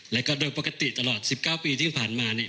แล้วก็โดยปกติตลอด๑๙ปีที่ผ่านมาเนี่ย